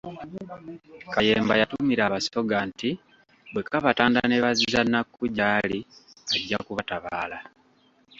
Kayemba yatumira Abasoga nti bwe kabatanda ne bazza Nnakku gy'ali ajja kubatabaala.